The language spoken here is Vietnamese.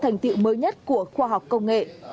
thành tiệu mới nhất của khoa học công nghệ